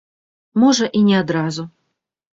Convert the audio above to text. Можа і не адразу.